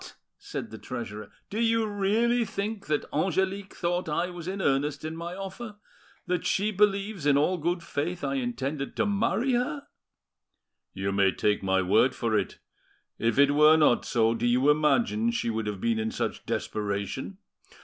said the treasurer, "do you really think that Angelique thought I was in earnest in my offer?—that she believes in all good faith I intend to marry her?" "You may take my word for it. If it were not so, do you imagine she would have been in such desperation?